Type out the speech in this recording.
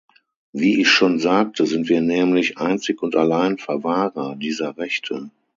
Wie ich schon sagte, sind wir nämlich einzig und allein Verwahrer dieser Rechte.